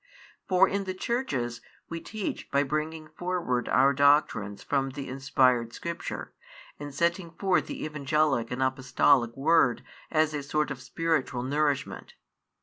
For in the churches we teach by bringing forward our doctrines from the inspired Scripture, and setting forth the Evangelic and Apostolic Word as a sort of spiritual nourishment.